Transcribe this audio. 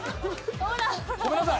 ごめんなさい。